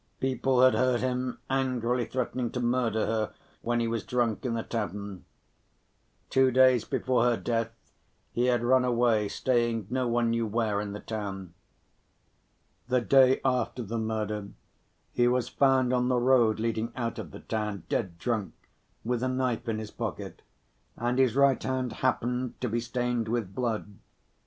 People had heard him angrily threatening to murder her when he was drunk in a tavern. Two days before her death, he had run away, staying no one knew where in the town. The day after the murder, he was found on the road leading out of the town, dead drunk, with a knife in his pocket, and his right hand happened to be stained with blood.